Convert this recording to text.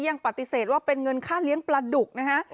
ยังปฏิเสธว่าเป็นเงินค่าเลี้ยงปลาดุกนะฮะ